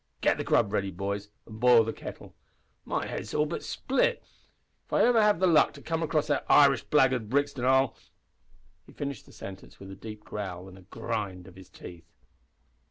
Get the grub ready, boys, an' boil the kettle. My head is all but split. If ever I have the luck to come across that Irish blackguard Brixton I'll " He finished the sentence with a deep growl and a grind of his teeth.